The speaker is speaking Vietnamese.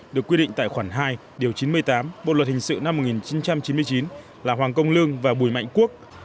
được quy định tại khoản hai điều chín mươi tám bộ luật hình sự năm một nghìn chín trăm chín mươi chín là hoàng công lương và bùi mạnh quốc